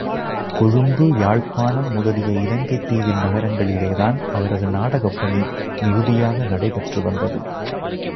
கொழும்பு, யாழ்ப்பாணம் முதலிய இலங்கைத் தீவின் நகரங்களிலேதான் அவரது நாடகப்பணி மிகுதியாக நடை பெற்று வந்தது.